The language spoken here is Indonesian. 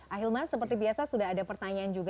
ahilman seperti biasa sudah ada pertanyaan juga